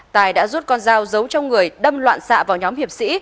tài đã rút con dao giấu trong người đâm loạn xạ vào nhóm hiệp sĩ